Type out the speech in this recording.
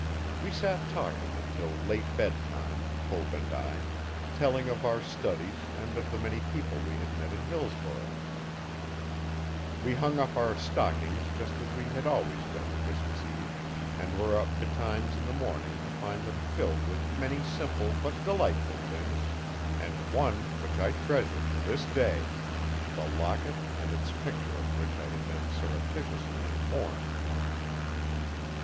We sat talking until late bedtime, Hope and I, telling of our studies and of the many people we had met in Hillsborough. We hung up our stockings just as we had always done Christmas Eve, and were up betimes in the morning to find them filled with many simple but delightful things, and one which I treasure to this day the locket and its picture of which I had been surreptitiously informed.